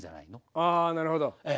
あなるほどはい。